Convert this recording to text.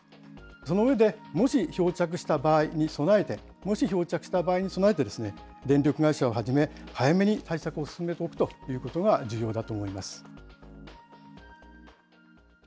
その上で、もし漂着した場合に備えて、もし漂着した場合に備えて、電力会社をはじめ、早めに対策を進めておくということが重要だと思います。